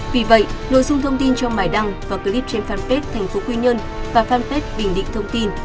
vì vậy nội dung thông tin trong bài đăng và clip trên fanpage thành phố quy nhơn và fanpage bình định thông tin